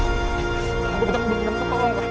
buat aku berhenti minta tolong